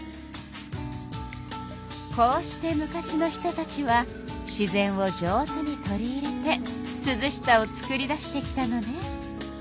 こうして昔の人たちは自然を上手に取り入れてすずしさをつくり出してきたのね。